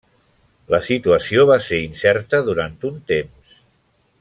La situació va ser incerta durant un temps.